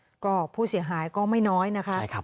อืมนี่แหละค่ะก็ผู้เสียหายก็ไม่น้อยนะคะใช่ครับ